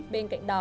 bên cạnh đó